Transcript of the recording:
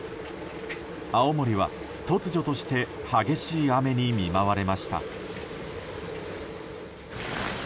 青森は突如として激しい雨に見舞われました。